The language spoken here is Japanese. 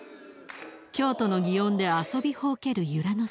京都の園で遊びほうける由良之助。